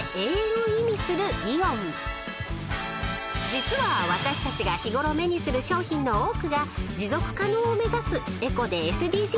［実は私たちが日ごろ目にする商品の多くが持続可能を目指すエコでＳＤＧｓな商品］